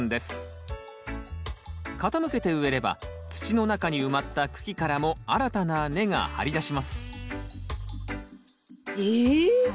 傾けて植えれば土の中に埋まった茎からも新たな根が張り出しますえっ！